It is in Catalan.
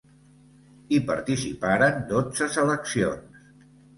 Hi participaren dotze seleccions.